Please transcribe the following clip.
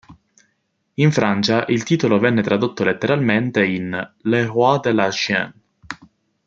In Francia, il titolo venne tradotto letteralmente in "Le Roi de l'argent".